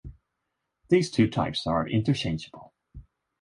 These two types are interchangeable.